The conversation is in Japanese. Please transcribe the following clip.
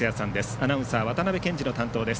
アナウンサー渡辺憲司の担当です。